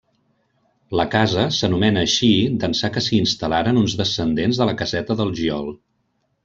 La casa s'anomena així d'ençà que s'hi instal·laren uns descendents de la Caseta del Giol.